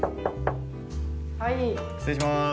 はい失礼します